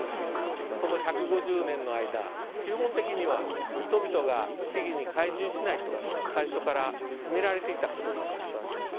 この１５０年の間基本的には人々が木々に介入しないと最初から決められていたことなんです。